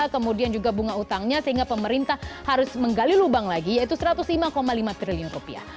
kemudian juga bunga utangnya sehingga pemerintah harus menggali lubang lagi yaitu satu ratus lima lima triliun rupiah